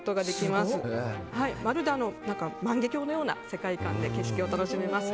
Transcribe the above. まるで万華鏡のような世界観で景色を楽しめます。